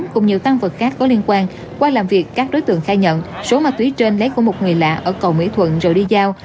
cùng nhiều tăng vật khác có liên quan qua làm việc các đối tượng khai nhận số ma túy trên lấy của một người lạ ở cầu mỹ thuận rồi đi giao